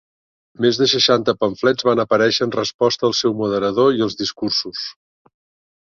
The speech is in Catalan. Més de seixanta pamflets van aparèixer en resposta al seu moderador i els discursos.